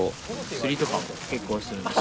釣りとかも結構するんです。